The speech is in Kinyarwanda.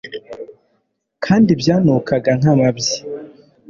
kandi byanukaga nk'amabyi